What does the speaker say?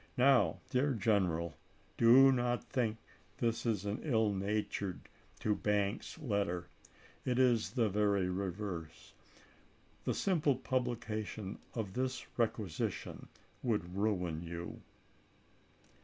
Now, dear general, do not think this is an ill natured to Ba2?s, letter ; it is the very reverse. The simple publica 186222' tion of this requisition would ruin you."